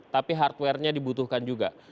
tapi hardware nya dibutuhkan juga